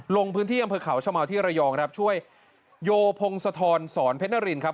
ลงพื้นที่อำเภอเขาชะเมาที่ระยองครับช่วยโยพงศธรสอนเพชรนรินครับ